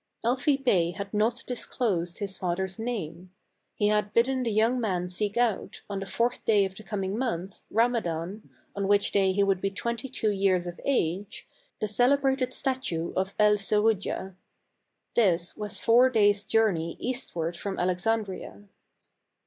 Elfi Bey had not disclosed his father's name. He had bidden the young man seek out, on the fourth day of the coming month, Ramadan, on which day he would be twenty two years of age, the celebrated statue 196 THE CAE AVAN. of El Serujah. This was four days' journey east ward from Alexandria.